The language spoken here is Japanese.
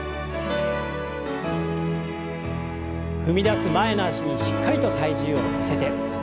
踏み出す前の脚にしっかりと体重を乗せて。